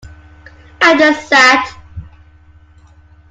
I just sat.